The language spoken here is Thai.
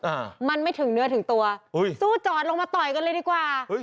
อ่ามันไม่ถึงเนื้อถึงตัวอุ้ยสู้จอดลงมาต่อยกันเลยดีกว่าเฮ้ย